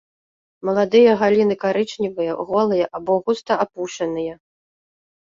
Маладыя галіны карычневыя, голыя або густа апушаныя.